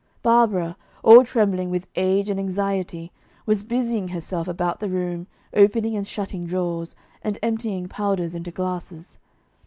Barbara, all trembling with age and anxiety, was busying herself about the room, opening and shutting drawers, and emptying powders into glasses.